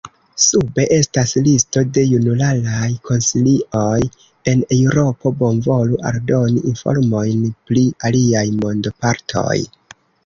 Sube estas listo de junularaj konsilioj en Eŭropo, bonvolu aldoni informojn pri aliaj mondopartoj.